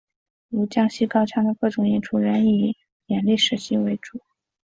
如江西高腔的各种演出仍以演历史戏为主。